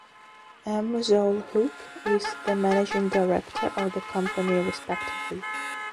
M Ziaul Huq is the managing director of the company respectively.